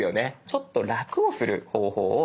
ちょっと楽をする方法を一緒に。